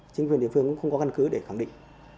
chính quyền địa phương cũng không có căn cứ để khẳng định